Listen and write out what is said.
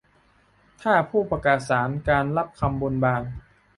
ถ้าผู้ประศาสน์การณ์รับคำบนบาน